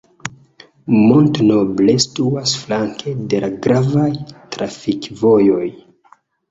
Mont-Noble situas flanke de la gravaj trafikvojoj.